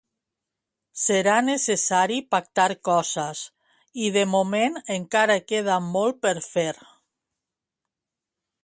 Serà necessari pactar coses i de moment encara queda molt per fer.